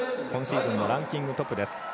今シーズンのランキングトップです。